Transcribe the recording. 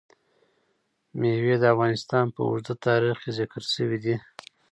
مېوې د افغانستان په اوږده تاریخ کې ذکر شوی دی.